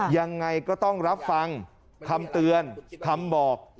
ยังไงก็ต้องรับฟังคำเตือนคำบอก